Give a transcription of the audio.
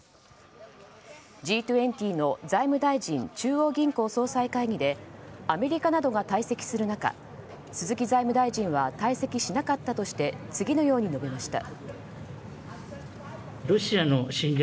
Ｇ２０の財務大臣・中央銀行総裁会議でアメリカなどが退席する中鈴木財務大臣は退席しなかったとして次のように述べました。